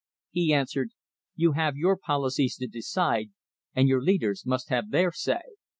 He answered, "You have your policies to decide, and your leaders must have their say.